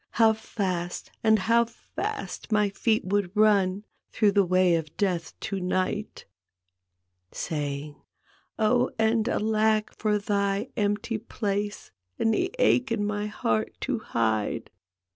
How fast and how fast my feet would run Through the way o' Death to night!" Saying, " Oh and alack, for thy empty place And the ache in my heart to hide!